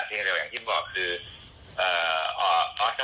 เพียงเร็วอย่างที่บอกคือ